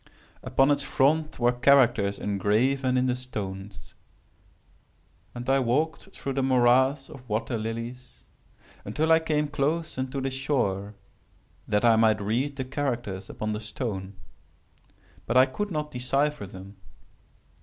Upon its front were characters engraven in the stone; and I walked through the morass of water lilies, until I came close unto the shore, that I might read the characters upon the stone. But I could not decypher them.